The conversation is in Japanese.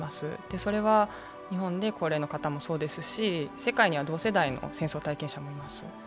それは日本で高齢の方もそうですし、世界には同世代の戦争体験者もいます。